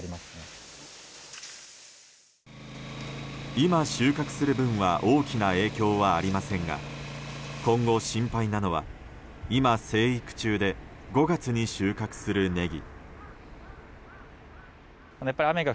今収穫する分は大きな影響はありませんが今後、心配なのは今生育中で５月に収穫するネギ。